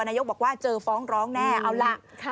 นายกบอกว่าเจอฟ้องร้องแน่เอาล่ะ